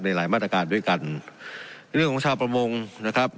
หลายมาตรการด้วยกันในเรื่องของชาวประมงนะครับ